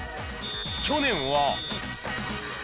去年は